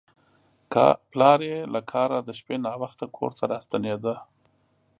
پلار یې له کاره د شپې ناوخته کور ته راستنېده.